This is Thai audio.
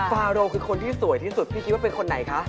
ฟาโรคือคนที่สวยที่สุดพี่คิดว่าเป็นคนไหนคะ